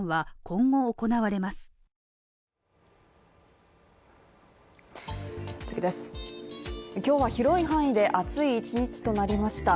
今日は広い範囲で暑い一日となりました。